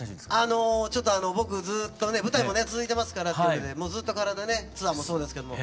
あのちょっとあの僕ずっとね舞台もね続いてますからというのでもうずっと体ねツアーもそうですけれども。